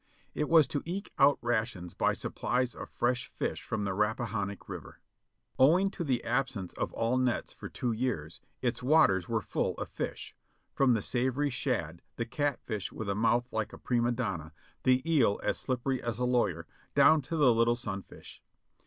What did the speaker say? It was to eke out rations by supplies of fresh fish from the Rappa hannock River. Owing to the absence of all nets for two years, its waters were full of fish, from the savory shad, the catfish with a mouth like a prima donna, the eel as slippery as a lawyer, down to the little sunfish.